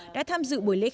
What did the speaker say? đã tham dự buổi lễ khai mạc